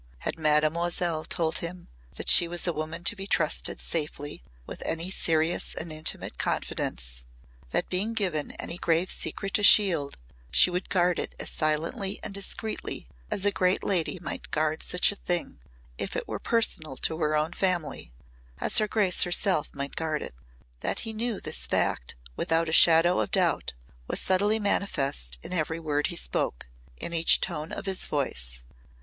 Had Mademoiselle told him that she was a woman to be trusted safely with any serious and intimate confidence that being given any grave secret to shield, she would guard it as silently and discreetly as a great lady might guard such a thing if it were personal to her own family as her grace herself might guard it. That he knew this fact without a shadow of doubt was subtly manifest in every word he spoke, in each tone of his voice.